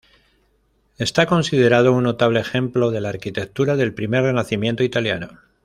Está considerado un notable ejemplo de la arquitectura del primer renacimiento italiano.